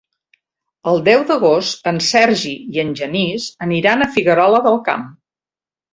El deu d'agost en Sergi i en Genís aniran a Figuerola del Camp.